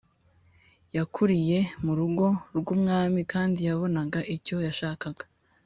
yakuriye mu rugo rw umwami kandi yabonaga icyo yashakaga